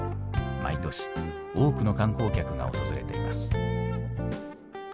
毎年多くの観光客が訪れています。